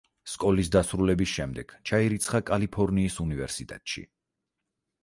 სკოლის დასრულების შემდეგ ჩაირიცხა კალიფორნიის უნივერსიტეტში.